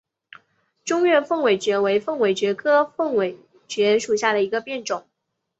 中越凤尾蕨为凤尾蕨科凤尾蕨属下的一个变种。